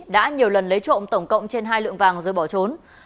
đã nhiều lần lấy trộm tổng cộng trên hai lượng vàng rồi bỏ trốn